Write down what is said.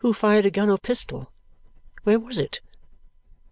Who fired a gun or pistol? Where was it?